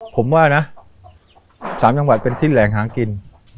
ผมว่านะ๓จังหวัดเป็นที่แหล่งหากิน